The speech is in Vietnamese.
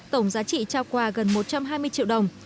tổng giá trị trao quà gần một trăm hai mươi triệu đồng